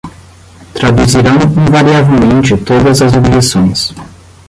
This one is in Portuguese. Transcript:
Traduzirão invariavelmente todas as objeções